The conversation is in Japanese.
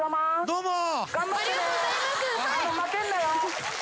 どうも」